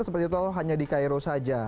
seperti itu hanya di cairo saja